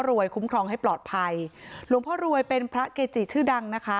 คุ้มครองให้ปลอดภัยหลวงพ่อรวยเป็นพระเกจิชื่อดังนะคะ